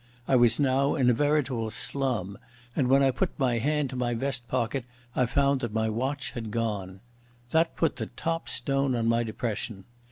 I was now in a veritable slum, and when I put my hand to my vest pocket I found that my watch had gone. That put the top stone on my depression.